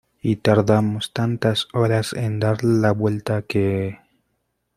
y tardamos tantas horas en darle la vuelta que...